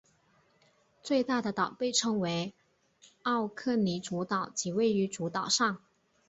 最大的岛被称为奥克尼主岛即位于主岛上。